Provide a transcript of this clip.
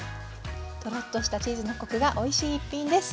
トロッとしたチーズのコクがおいしい一品です。